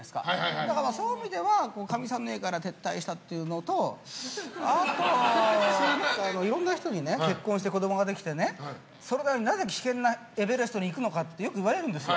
だから、そういう意味ではかみさんの家から撤退したっていうのとあと、いろんな人に結婚して子供ができてそれなのになぜ危険なエベレストに行くのかとよくいわれるんですよ。